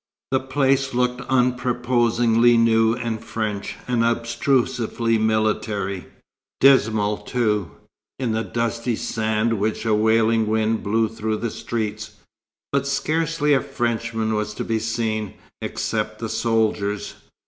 The place looked unprepossessingly new and French, and obtrusively military; dismal, too, in the dusty sand which a wailing wind blew through the streets; but scarcely a Frenchman was to be seen, except the soldiers.